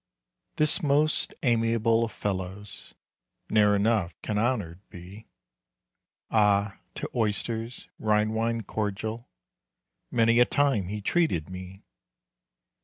This most amiable of fellows Ne'er enough can honored be. Ah! to oysters, Rhine wine, cordial, Many a time he treated me.